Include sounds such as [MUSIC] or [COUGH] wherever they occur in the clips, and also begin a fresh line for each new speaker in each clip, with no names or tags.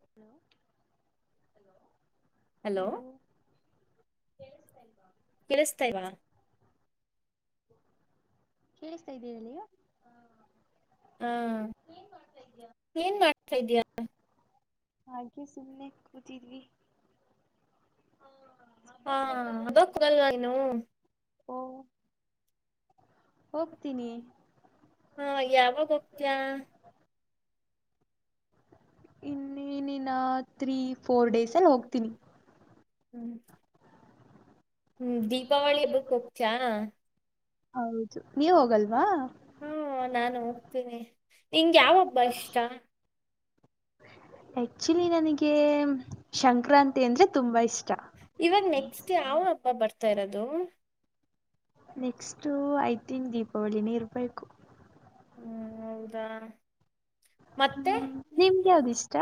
Hello [INAUDIBLE] hello ಕೇಳಸ್ತಾಾ
ಕೇಳುಸ್ತಿಲ್ಲ
ಕೇಳ್ತಾ ಇದ್ದೀರಿ ನೀವು
ಹಾ ಏನ್ ಮಾಡ ಇಡುತ್ತಿದ್ದೀಯ
ಹಾಗೆ ಸುಮ್ನೆ ಕೂತಿದ್ವಿ
ಹಾ ಅದಕ್ಕಗಲ್ವಾ ಇನು
ಓ ಹೋಗ ತಿನಿ
ಹಾ ಯಾವಾಗ ಹೋಗ್ತೀಯಾ
ಇನ್ನಿನ ತ್ರೀ ಫೋರ್ ಡೇಸ್ ಅಲ್ಲಿ ಹೋಗ್ತೀನಿ
ಹ್ಮ ಹ್ಮ್ ದೀಪಾವಳಿ ಹಬ್ಬಕ್ ಹ
ಹೌದು ನೀವು ಹೋಗಲ್ವಾ
ಹಾ ನಾನು ಹೋಗ್ತೀನಿ ನಿಂಗ ಯಾವ ಹಬ್ಬ ಇಷ್ಟ
ಆಕ್ಚುಲಿ ನನಗೆ ಸಂಕ್ರಾಂತಿ ಅಂದ್ರೆ ತುಂಬಾ ಇಷ್ಟ
ಇವಾಗ ನೆಕ್ಸ್ಟ್ ಡೇ ಅವ ಹಬ್ಬ ಬರ್ತವಿ ಬರ್ತಾ ಇರೋದು
ನೆಕ್ಸ್ಟು ಐ ತಿಂಗ ದೀಪಾವಳಿನ ಇರ್ಬೇಕು
ಹ್ಮ್ ಹೌದಾ ಮತ್ತೆ
ನಿಮ್ಗೆ ಯಾವ್ದಿಷ್ಟ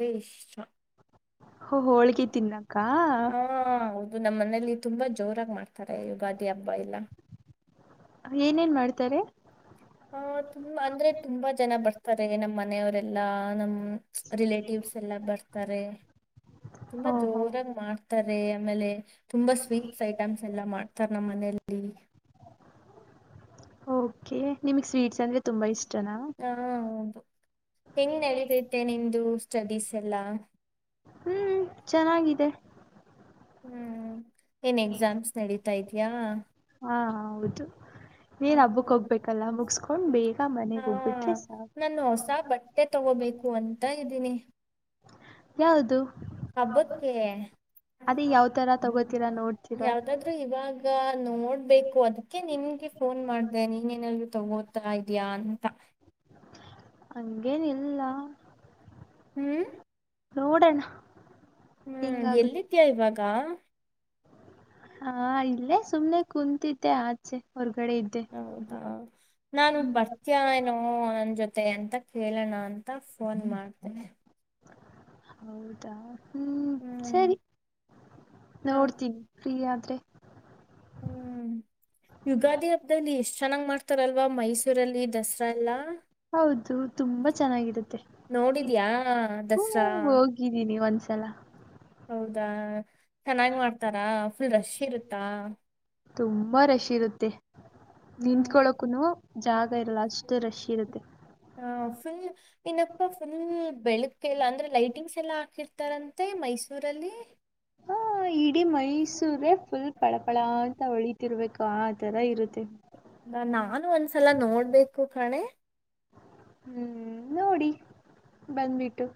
ದೇಶ
ಹೋಳ್ಗೆ ತಿನ್ನಕ್ಕ
ಹಾ ಹೌದು ನಮ್ಮ ಮನೇಲಿ ತುಂಬಾ ಜೋರಾಗಿ ಮಾಡ್ತಾರೆ ಯುಗಾದಿ ಹಬ್ಬ ಇಲ್ಲ
ಏನೇನ್ ಮಾಡ್ತಾರೆ
ಹ ತುಂಬಾ ಅಂದ್ರೆ ತುಂಬಾ ಜನ ಬರ್ತಾರೆ ನಮ್ಮ್ ಮನೆಯವರೆ ಲಾನಂ ರಿಲೇಟಿವ್ಸ್ ಎಲ್ಲ ಬರ್ತಾರೆ ತುಂಬಾ
ಓ ಹೋ
ಜೋರಾಗಿ ಮಾಡ್ತಾರೆ ಆಮೇಲೆ ತುಂಬಾ ಸ್ವೀಟ್ಸ್ ಐಟಮ್ಸ್ ಎಲ್ಲ ಮಾಡ್ತಾರೆ ನಮ್ಮ್ ಮನೆಯಲ್ಲಿ
ಓಕೆ ನಿಮ್ಗ್ ಸ್ವೀಟ್ಸ್ ಅಂದ್ರೆ ತುಂಬಾ ಇಷ್ಟ
ಹಾ ಹೌದು ಹೆಂಗ್ ನಡತಿದ್ದೆ ನಿಮ್ದು ಸ್ಟಡೀಸ್ ಎಲ್ಲ
ಹ್ಮ್ ಚೆನ್ನಾಗಿದೆ
ಹ್ಮ್ ಏನ್ ಎಕ್ಸಾಮ್ಸ್ ನಡೀತಾ ಇದ ಯಾ
ಹಾ ಹೌದು ನೀನ್ ಹಬ್ಬಕ್ ಹೋಗ್ಬೇಕಲ್ಲ ಮುಗಸ್ಕೊಂಡ್ ಬೇಗ
ಹಾ
ಮನೆಗ್ ಹೋಗ್ಬಿಟ್ರೆ ಸಾಕ
ನಾನು ಹೊಸ ಬಟ್ಟೆ ತಗೋಬೇಕು ಅಂತ ಇದ್ದೀನಿ
ಯಾವದು
ಹಬ್ಬಕ್ಕೆ
ಅದೇ ಯಾವತರ ತಗೋತೀರಾ ನೋಡ್ತೀರಾ
ಯಾವ್ದಾದ್ರು ಇವಾಗ ನೋಡ್ಬೇಕು ಅದಕ್ಕೆ ನಿನ್ಗೆ ಫೋನ್ ಮಾಡ್ದೆ ನೀನೇನಾದರು ತಗೋದು ತೊಗೊತ ಇದಿಯಾ ಅಂತ
ಹಂಗೇನಿಲ್ಲ.
ಹ್ಮ್
ನೋಡೋಣ
ಹ್ಮ್
ಹೆಂಗಾಗುತ್ತೆ
ಎಲ್ಲಿದ್ಯಾ ಇವಾಗ?
ಹಾ ಇಲ್ಲೇ ಸುಮ್ನೆ ಕುಂತಿದ್ದೆ ಆಚೆ ಹೊರ್ಗ
ಹೌದಾ ನಾನು ಬರ್ತೀಯಾ ಏನೋ ನನ್ನ ಜೊತೆ ಅಂತ ಕೇಳ ಕೇಳೋಣ ಅಂತ ಫೋನ್ ಮಾಡ್ದೆ
ಹೌದಾ. ಹ್ಮ್ ಸರಿ,
ಹಾ
ನೋಡ್ತೀನಿ ಫ್ರೀ ಆದ್ರೆ
ಹ್ಮ್ ಯುಗಾದಿ ಹಬ್ಬದಲ್ಲಿ ಎಷ್ಟ್ ಚೆನ್ನಾಗ್ ಮಾಡ್ತಾರಲ್ವಾ ಮೈಸೂರಲ್ಲಿ ದಸರಾ ಎಲ್ಲ
ಅಲ್ಲಾ, ಹೌದು ತುಂಬಾ ಚೆನ್ನಾಗಿರುತ್ತೆ.
ನೋಡಿದ್ಯಾ
ನೋಡಿದಿಯಾ?
ದಸರಾ
ಹ್ಮ ಹೋಗಿದ್ದೀನಿ ಒಂದ್ ಸಲಾ
ಹೌದಾ. ಚೆನ್ನಾಗ ಮಾಡ್ತಾರಾ, ಫುಲ್ ರಶ್ ಇರತ್ತಾ?
ತುಂಬಾ ರಶ್ ಇರುತ್ತೆ. ನಿಂತ್ಕೊಳೋಕೂನು ಜಾಗ ಇರಲ್ಲ ಅಷ್ಟ ರಶ ಇರತ್ತೆ,
ಹಾ
ಹಮ್
ಬೆಳಗ್ಗೆ ಎಲ್ಲ ಅಂದ್ರೆ ಲೈಟಿಂಗ್ಸ್ ಎಲ್ಲಾ ಹಾಕಿರ್ತಾರಂತೆ ಮೈಸೂರಲ್ಲಿ.
ಹಾ ಇಡೀ ಮೈಸೂರೇ ಫುಲ್ ಪಳಪಳ ಅಂತ ಹೊಳತಿರ್ಬೇಕು ಆ ತರ ಇರುತ್ತೆ
ನಾನು ಒಂದ್ಸಲ ನೋಡ್ಬೇಕು ಕಣೆ.
ಹ್ಮ ನೋಡಿ ಬಂದ್ಬಿಟ್ಟು.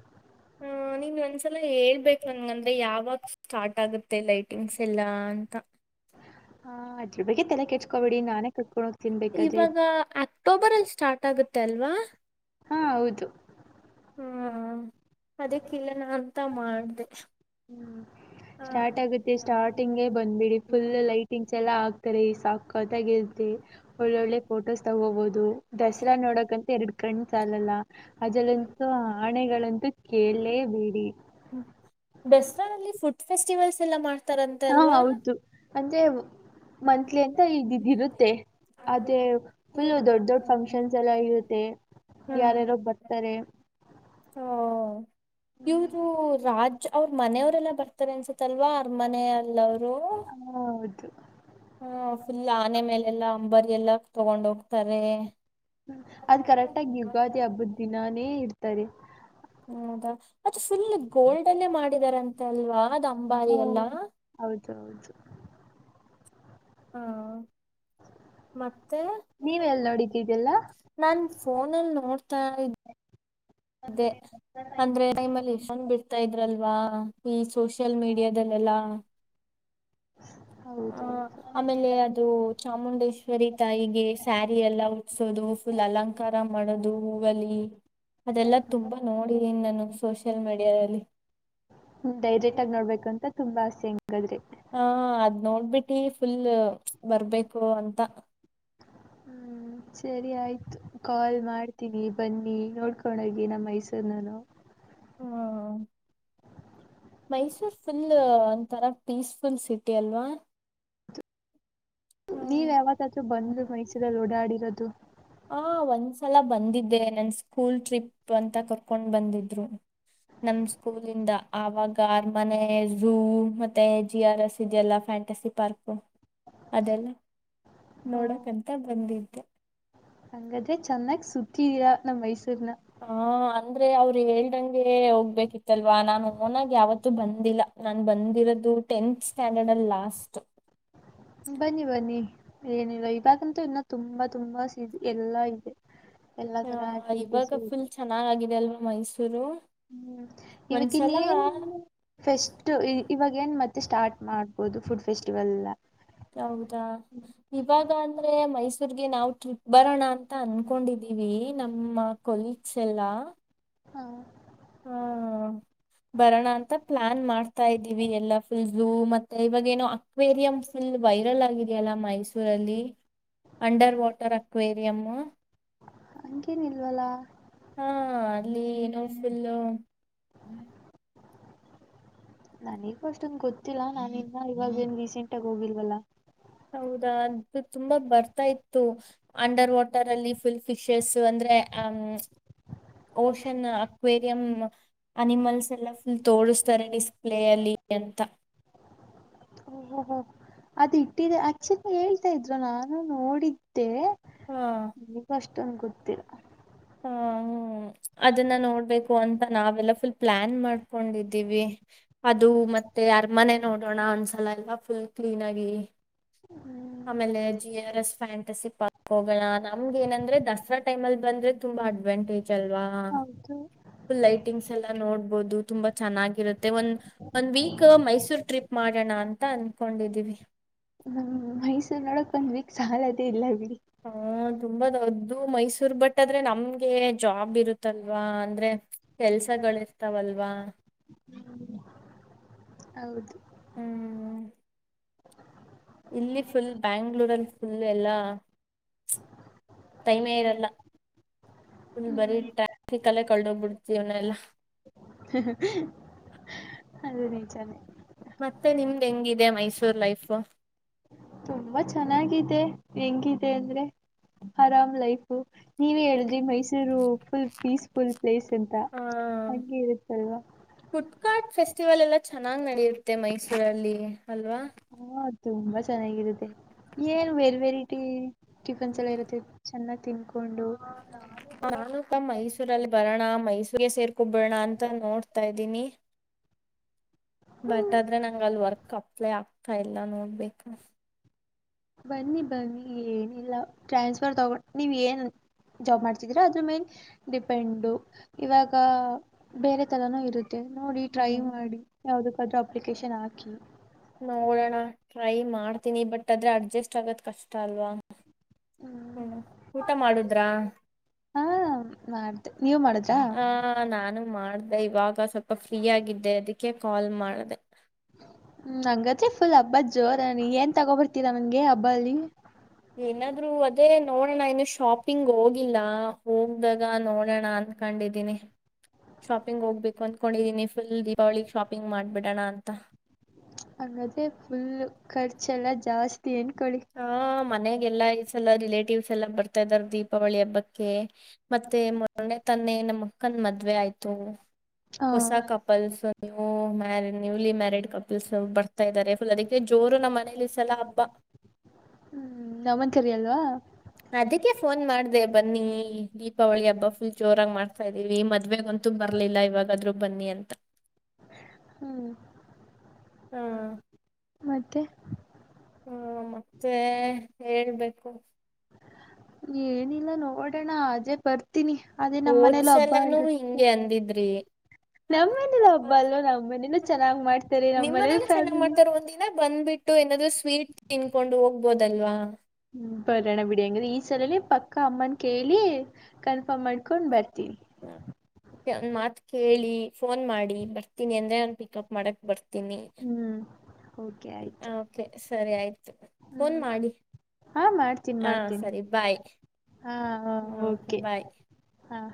ಹ ನಿನ್ ಒಂದ್ಸಲ ಹೇಳ್ಬೇಕು ನಂಗ ಅಂದ್ರೆ ಯಾವಾಗ ಸ್ಟಾರ್ಟ್ ಆಗುತ್ತೆ ಲೈಟಿಂಗ್ಸ್ ಎಲ್ಲಾ ಅಂತ
ಹ ಅದರ ಬಗ್ಗೆ ತಲೆ ಕೇ
ಇವಾಗ ಅಕ್ಟೋಬರ್ ಅಲ್ಲಿ ಸ್ಟಾರ್ಟ್ ಆಗತ್ತೆ ಆಗತ್ತೆ ಅಲ್ವಾ?
ಹಾ ಹೌದು
ಹ್ಮ ಅದೇ ಕೇಳೋಣ ಅಂತ ಮಾಡ್ದೆ
ಹ್ಮ್. ಸ್ಟಾರ್ಟ್ ಆಗುತ್ತೆ ಸ್ಟಾರ್ಟಿಂಗ್ಗೆ ಬಂದ್ಬಿಡಿ ಫುಲ್ ಲೈಟಿಂಗ್ಸ್ ಎಲ್ಲಾ ಹಾಕ್ತಾರೆ ಈ ಸಾಕ ಸಕ್ಕತ್ [UNINTELLIGIBLE] ಒಳ್ಳೊಳ್ಳೆ ಫೋಟೋಸ್ ತಗೋಬಹುದು ದಸರಾ ನೋಡಕಂತು ಎರಡು ಕಣ್ಣ ಸಾಲಲ್ಲ ಅದಲ್ಲಂತೂ ಆಣೆಗಳಂತೂ ಕೇಳಲೇಬೇಡಿ.
ದಸರಾದಲ್ಲಿ ಫುಡ್ ಫೆಸ್ಟಿವಲ್ಸ್ ಎಲ್ಲ ಮಾಡ
ಹಾ ಹೌದು ಅಂದ್ರೆ ಮಂತ್ಲಿ ಅಂತ [UNINTELLIGIBLE] ಇರುತ್ತೆ ಅದೇ ಫುಲ್ ದೊಡ್ಡ ದೊಡ್ಡ ಫಂಕ್ಷನ್ಸ್ ಎಲ್ಲ ಇರುತ್ತೆ ಯಾರ್ಯಾರೋ ಬರ್ತಾರೆ.
ಹ ಇವರು ರಾಜ್ ಅವ್ರ ಮನೆಯವರೆಲ್ಲ ಬರ್ತಾರೆ ಅನ್ಸುತ್ತ. ಅಲ್ವಾ ಅರಮನ ಅಲ್ಲ ಅವರು
ಹಾ, ಹೌದು
ಹ ಫುಲ್ ಆನೆ ಮೇಲೆಲ್ಲಾ ಅಂಬರಿ ಎಲ್ಲ. ತಗೊಂಡ ಹೋಗ್ತಾರೆ.
ಹ್ಮ ಅದ್ ಕರೆಕ್ಟಾಗಿ ಯುಗಾದಿ ಹಬ್ಬದ ದಿನಾನೇ ಇರ್ತಾರೆ.
ಹೌದಾ ಮತ್ತೆ ಫುಲ್ ಗೋಲ್ಡನ್ನೇ ಮಾಡಿದಾರಂತೆ ಅಲ್ವಾ ಅದು ಅಂಬಾರಿ
ಹ್ಮ
ಎಲ್ಲಾ.
ಹೌದೌದು
ಹಾ ಮತ್ತೆ
ನೀವೆಲ್ಲಿ ನೋಡಿದ್ದಿದೆಲ್ಲ
ನಾನ್ ಫೋನಲ್ಲಿ ನೋಡ್ತಾ ಇದೆ ಅಂದ್ರೆ ಟೈಮಲ್ಲಿ ಎಷ್ಟನ್ ಬಿಡ್ತಾ ಇದ್ರಲ್ವಾ ಈ ಸೋಷಿಯಲ್ ಮೀಡಿಯಾದಲ್ಲೆಲ್ಲ. ಹ
ಹೌದೌದು
ಆಮೇಲೆ ಅದು ಚಾಮುಂಡೇಶ್ವರಿ ತಾಯಿಗೆ ಸ್ಯಾರಿ ಎಲ್ಲ ಉಟ್ಸೋದು ಫುಲ್ ಅಲಂಕಾರ ಮಾಡೋದು ಹೂವಲ್ಲಿ ಅದೆಲ್ಲ ತುಂಬಾ ನೋಡಿದೀನಿ ನಾನು. ಸೋ
ಹ್ಮ್ ಡೈರೆಕ್ಟ್ ಆಗಿ ನೋಡ್ಬೇಕು ಅಂತ ತುಂಬಾ ಆಸ್. [UNINTELLIGIBLE]
ಹಾ ಅದ್ ನೋಡ್ಬಿಟ್ಟಿ ಫುಲ್ ಬರ್ಬೇಕು ಅಂತ.
ಹ್ಮ್ ಸರಿ ಆಯ್ತು. ಕಾಲ್ ಮಾಡ್ತೀನಿ. ಬನ್ನಿ ನೋಡ್ಕೊಂಡ ಹೋಗಿ ನಮ್ಮ್ ಮೈಸೂರ್ನನು.
ಹ್ಮ್ ಮೈಸೂರ್ ಫುಲ್ ಒಥರ ಪೀಸ್. ಫುಲ್ ಸಿಟಿ ಅಲ್ವಾ
ನೀವು ಯಾವತ್ತಾದರೂ ಬಂದ್ರರೂ ಮೈಸೂರಲ್ಲಿ ಓಡಾಡಿರೋದು.
ಹಾ ಒಂದ್ಸಲ ಬಂದಿದ್ದೆ ನನ್ಸ್. ಸ್ಕೂಲ್ ಟ್ರಿಪ್ ಅಂತ ಕರ್ಕೊಂಡು ಬಂದಿದ್ರು. ನಮ ಸ್ಕೂಲಿಂದ ಆವಾಗ ಅರಮನೆ ಝೂ ಮತ್ತೆ ಜಿ ಆರ್ ಎಸ್ ಇದೆಯಲ್ಲ ಫ್ಯಾಂಟಸಿ ಪಾರ್ಕ್. ಅದೆಲ್ಲ
ಹ
ನೋಡಕಂತ ಬಂದಿದ್ದೆ.
ಹಂಗಾದ್ರೆ ಚೆನ್ನಾಗ್ ಸುತ್ತಿದೀರಾ ನಮ್ ಮೈಸೂರು.
ಹ ಅಂದ್ರೆ ಅವ್ರು ಹೇಳ್ದಂಗೆ ಹೋಗ್ಬೇಕಿತ್ತಲ್ವಾ ನಾನು ಓನಾಗಿ ಯಾವತ್ತುೂ ಬಂದಿಲ್ಲ ನಾ ಬಂದಿರೋದ. [INAUDIBLE] ಟೆಂತ್ ಸ್ಟ್ಯಾಂಡರ್ಡ್ ಅಲ್ಲಿ ಲಾಸ್ಟು.
ಬನ್ನಿ ಬನ್ನಿ ಏನಿಲ್ಲ ಇವಾಗಂತೂ ಇನ್ನು ತುಂಬಾ ತುಂಬಾ ಸಿ ಎಲ್ಲಾ ಇದೆ. ಎಲ್ಲಾ ತರ
ಹ
ಆಕ್ಟಿವಿಟೀಸು
ಇವಾಗ
ಇದೆ
ಫುಲ್ ಚೆನ್ನಾಗಾಗಿದೆ ಅಲ್ವಾ ಮೈಸೂರು
ಇವಗ್
ಒಂದ್ಸಲ
ಇನ್ನೆನ್ ಫೆಸ್ಟ್ ಇವಾಗೆನ್ ಮತ್ತೆ ಸ್ಟಾರ್ಟ್ ಮಾಡ್ಬೋದು ಫುಡ್ ಫೆಸ್ಟಿವಲ್
ಹೌದಾ ಇವಾಗ ಅಂದ್ರೆ ಮೈಸೂರ್ಗೆ ನಾವ್ ಟ್ರಿಪ್ ಬರೋಣ ಅಂತ ಅನ್ಕೊಂಡಿದೀವಿ ನಮ್ಮ ಕೊಲೀಗ್ಸ್ ಎಲ್ಲಾ
ಹ
ಹಾ ಬರೋಣ ಅಂತ ಪ್ಲಾನ್ ಮಾಡ್ತಾ ಇದೀವಿ ಎಲ್ಲ ಫುಲ್ ಜೂ ಮತ್ತೆ ಇವಾಗೆನೋ ಅಕ್ವೇರಿಯಂ ಫುಲ್ ವೈರಲ್ ಆಗಿದೆಯಲ್ಲ ಮೈಸೂರಲ್ಲಿ ಅಂಡರ್ ವಾಟರ್ ಅಕ್ವೇರಿಯಂ.
ಹಂಗೇನಿಲ್ವಲ್ಲ
ಹಾ ಅಲ್ಲಿ ಏನೋ ಫುಲ್ಲು
ಈಗ ಅಷ್ಟೊಂದ ಗೊತ್ತಿಲ್ಲಾ ನಾನ ಇನ್ನ ಇವಾಗ ಏನ್ ರೀಸೆಂಟ್ ಆಗ ಹೋಗಿಲ್ವಲ್ಲ
ಹೌದಾ ಅದು ತುಂಬಾ ಬರ್ತಾ ಇತ್ತು ಅಂಡರ್ ವಾಟರ್ ಅಲ್ಲಿ ಫುಲ್ ಫಿಶಸ್ ಅಂದ್ರೆ ಅ ಓಷನ್ ಅಕ್ವೇರಿಯಂ ಅನಿಮಲ್ಸ್ ಎಲ್ಲ ಫುಲ್ ತೋಸ್ತಾರೆ ಡಿಸ್ಪ್ಲೇ ಅಲ್ಲಿ ಅಂತ.
ಓಹೋ ಅದು ಇಟ್ಟಿದೆ ಆಕ್ಚುಲಿ ಹೇಳ್ತಾ ಇದ್ರು ನಾನು ನೋಡಿದ್ದೆ.
ಹಾ
ಈಗ ಅಷ್ಟೊಂದು ಗೊತ್ತಿಲ್ಲ
ಹ್ಮ ಅದನ್ನ ನೋಡ್ಬೇಕು ಅಂತ ನಾವೆಲ್ಲ ಫುಲ್ ಪ್ಲಾನ್ ಮಾಡ್ಕೊಂಡಿದ್ದೀವಿ ಅದು ಮತ್ತೆ ಅರಮನೆ ನೋಡೋಣ ಒಂದ್ಸಲ ಎಲ್ಲ ಫುಲ್ ಕ್ಲೀನ್ ಆಗಿ ಆಮೇಲೆ G R S fantasy park ಹೋಗೋಣ ನಮ್ಗೆ ಏನಂದ್ರೆ ದಸರಾ ಟೈಮ್ ಅಲ್ ಬಂದ್ರೆ ತುಂಬಾ ಅಡ್ವಾಂಟೇಜ್ ಅಲ್ವಾ
ಹೌದು
ಫುಲ್ ಲೈಟಿಂಗ್ಸ್ ಎಲ್ಲಾ ನೋಡ್ಬೋದು. ತುಂಬಾ ಚೆನ್ನಾಗಿರುತ್ತೆ ಒಂದ ಒಂದ್ ವೀಕ್ ಮೈಸೂರ್ ಟ್ರಿಪ್ ಮಾಡೋಣ ಅಂತ ಅನ್ಕೊಂಡಿದೀವಿ
ಮೈಸೂರು ನೋಡಕ್ ಒಂದ ವೀಕ್ ಸಾಲದೇ ಇಲ್ಲ ಬಿ
ಹಾ ತುಂಬಾ ದೊದ್ದು ಮೈಸೂರ್ ಬಟ್ ಆದ್ರೆ ನಮ್ಗೆ ಜಾಬ್ ಇರುತ್ತಲ್ವಾ ಅಂದ್ರೆ ಕೆಲ್ಸಗಳ ಇರ್ತಾವಲ್ವಾ
ಹೌದು
ಹ್ಮ್ ಇಲ್ಲಿ ಫುಲ್ ಬ್ಯಾಂಗ್ಳೂರಲ್ಲಿ ಫುಲ್ ಎಲ್ಲ ಟೈಮೇ ಇರಲ್ಲ ಫುಲ್ ಬರಿ
ಹ್ಮ್
ಟ್ರಾಫಿಕ್ ಅಲ್ಲೇ ಕಳೋಗ್ಬಿಡ್ತವ್ನ ಎಲ್ಲಾ
ಹ ಹ ಅದು ನಿಜಾನೆ
ಮತ್ತೆ ನಿಮ್ದ್ ಹೆಂಗಿದೆ ಮೈಸೂರ್ ಲೈಫು
ತುಂಬಾ ಚೆನ್ನಾಗಿದೆ ಹೆಂಗಿದೆ ಅಂದ್ರೆ ಆರಾಮ್ ಲೈಫ್ ನೀವೇ ಹೇಳಿದ್ರಿ ಮೈಸೂರು ಫುಲ್ ಪೀಸ್ಫುಲ್ ಪ್ಲೇಸ್ ಅಂತ
ಹಾ
ಹಂಗೆ ಇರುತ್ತಲ್ವಾ
ಕಾಟ್ ಫೆಸ್ಟಿವಲ್ ಎಲ್ಲ ಚೆನ್ನಾಗ್ ನಡೆಯುತ್ತೆ ಮೈಸೂರಲ್ಲಿ ಅಲ್ವಾ
ಹ ತುಂಬಾ ಚೆನ್ನಾಗಿರುತ್ತೆ. ಏನ್ ವೇರ್ ವೆರೈಟಿ ಟಿಫನ್ಸ್ ಎಲ್ಲ ಇರುತ್ತೆ ಅನ್ನ ತಿಂದ್ಕೊಂಡು
ಅಪ್ಪ ಮೈಸೂರಲ್ಲಿ ಬರೋಣ ಮೈಸೂರ್ಗೆ ಸೇರ್ಕೊಬಿಡಣ ಅಂತ ನೋಡ್ತಾ ಇದ್ದೀನಿ ಬಟ್ ಆದ್ರೆ ನಂಗ್ ಅಲ್ ವರ್ಕ್ ಅಪ್ಲೆ ಆಗ್ ಹ ಎಲ್ಲ ನೋಡ್ಬೇಕ
ಬನ್ನಿ ಬನ್ನಿ ಏನಿಲ್ಲ ಟ್ರಾನ್ಸ್ಫರ್ ತಗೊಂಡು ನೀವು ಏನು ಜಾಬ್ ಮಾಡ್ತಿದ್ದೀರ ಅದ್ರ ಮೇನ್ ಡಿಪೆಂಡು ಇವಾಗ ಬೇರೆ ಥರನೂ ಇರುತ್ತೆ ನೋಡಿ ಟ್ರೈ
ಹ್ಮ್
ಮಾಡಿ ಯಾವುದಕ್ಕಾದ್ರೂ ಅಪ್ಲಿಕೇಶನ್ ಹಾಕಿ.
ನೋಡೋಣ ಟ್ರೈ ಮಾಡ್ತೀನಿ ಬಟ್ ಆದ್ರೆ ಅಡ್ಜಸ್ಟ್ ಆಗೋದು ಕಷ್ಟ ಅಲ್ವಾ ಹ ಊಟ ಮಾಡುದ್ರ
ಹಾ ಮಾಡ್ದೆ ನೀವ್ ಮಾಡಿದ್ರಾ
ಆ ನಾನು ಮಾಡ್ದೆ ಇವಾಗ ಬ ಸ ಫ್ರೀ ಆಗಿದ್ದೆ ಅದಕ್ಕೆ ಕಾಲ್ ಮಾಢ್ದೆ
ನಂಗ ಚಫುಲ್ ಅಬ್ಬಾಜಿ [INAUDIBLE] ಜೋರ ಏನ್ ತಗೊಬರ್ತೀರಾ ನಂಗೆ ಹಬ್ಬ ಅಲ್ಲಿಿ
ಏನಾದ್ರು ಅದೇ ನೋಡೋಣ ಇನ್ನು ಶಾಪಿಂಗ್ ಹೋಗಿಲ್ಲ ಹೋಗ್ದಾಗ ನೋಡೋಣ ಅಂತ ಕಂಡಿದ್ದೀನಿ ಶಾಪಿಂಗ್ ಹೋಗ್ಬೇಕು ಅಂದಕೊಂಡಿದೀನಿ ಫುಲ್ ದೀಪಾವಳಿಗೆ ಶಾಪಿಂಗ್ ಮಾಡ್ಬಿಡೋಣ ಅಂತ
ಹಂಗಾದ್ರೆ ಫುಲ್ ಖರ್ಚೆಲ್ಲಾ ಜಾಸ್ತಿ ಅನ್ಕೊಳ್ಳಿ
ಹಾ ಮನೆಗೆಲ್ಲಾ ಈ ಸಲ ರಿಲೇಟ್ ಟಿವ್ಸ್ ಎಲ್ಲ ಬರ್ತಾ ಇದ್ದಾರೆ ದೀಪಾವಳಿ ಹಬ್ಬಕ್ಕೆ ಮತ್ತೆ ಮೊರನೇ ತಾನೆ ನಮ್ಮ ಅಕ್ಕನ್ ಮದ್ವೆ ಆಯ್ತು
ಹ
ಹೊಸ ಕಪಲ್ಸ್ ನ್ಯೂಲಿ ಮ್ಯಾರಿೀಡ್ ಕಪಲ್ಸ್ ಬರ್ತಾ ಇದಾರೆ ಫುಲ್ ಅದಕ್ಕೆ ಜೋರು ನಮ್ಮ ಮನೇಲಿ ಈ ಸಲಾ ಹಬ್ಬ
ಹ್ಮ್ ನಮನ್ ಕರಿಯಲ್ವ [UNINTELLIGIBLE] ಹ
ಅದಕ್ಕೆ ಫೋನ್ ಮಾಢ್ದೆ ಬನ್ನಿ ದೀಪಾವಳಿ ಹಬ್ಬ ಫುಲ್ ಜೋರಾಗಿ ಮಾಡ್ತಾ ಇದೀವಿ ಮದ್ವೆಗೆ ಅಂತೂ ಬರ್ಲಿಲ್ಲ ಇವಾಗಾದ್ರೂ ಬನ್ನಿ ಅಂತ
ಹ್ಮ್
ಹಾ
ಮತ್ತೆ
ಹ್ಮ ಮತ್ತೆ ಹೇಳ್ಬೇಕು
ಏನಿಲ್ಲ ನೋಡೋಣ ಆದ್ರೆ ಬರ್ [INAUDIBLE] ಬರ್ತೀನಿ ಅದೇ ನಮ್ಮ್ ಮನೇಲಿ ಹಬ್ಬ
ಹೋದ್ಸಲನೂ
ಇರುತ್ತೆ
ಹಿಂಗೆ ಅಂದಿದ್ರಿ.
ನಮ್ಮ್ ಮನೇಲಿ ಹಬ್ಬ ಅಲ್ವ ನಮ್ಮ್ ಮನೇನು ಚೆನ್ನಾಗ್ ಮಾಡ್ತಾರೆ ನಮ್ಮ್ ಮನೇಲಿ
ನಿಮ್ಮನೇಲಿ ಚೆನ್ನಾಗ್
ಫ್ಯಾಮಲಿ
ಮಾಡ್ತಾರೆ ಒಂದಿನ ಬಂದ್ಬಿಟ್ಟು ಏನಾದ್ರು ಸ್ವೀಟ್ ತಿನ್ಕೊಂಡು ಹೋಗ್ಬೋದಲ್ವಾ
ಬರೋಣ ಬಿಡಿ ಅಂಗ್ರೆ ಈ ಸಲ ಪ ಪಕ್ಕ ಅಮ್ಮನ ಕೇಳಿ ಕನ್ಫರ್ಮ್ ಮಾಡ್ಕೊಂಡು ಬರ್ತಿ [UNINTELLIGIBLE]
[UNINTELLIGIBLE] ಕೇಳಿ ಫೋನ್ ಮಾಡಿ ನೀನ್ ಬರ್ತೀನಿ ಅಂದ್ರೆ ನಾನ್ ಪಿಕಪ್ ಮಾಡಕ್ ಬರ್ತೀನಿ.
ಹ್ಮ್ ಓಕೆ ಆಯ್ತು
ಓ ಕೆ ಸರಿ ಆಯ್
ಹ್ಮ್ ಹಾಂ ಮಾಡ್ತೀನ್
ಹಾ
ಮಾಡ್ತೀನಿ
ಸರಿ ಬಾಯ್.
ಹಾಂ
ಹ್ಮ್,
ಓಕೆ ಹಾಂ